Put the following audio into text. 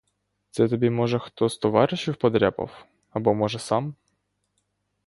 Це тобі, може, хто з товаришів подряпав або, може, сам?